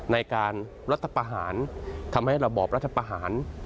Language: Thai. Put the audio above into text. ในการรัฐประหารทำให้ระบอบรัฐประหาร